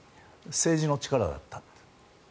政治の力だったって。